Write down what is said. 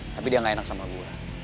tapi dia gak enak sama gue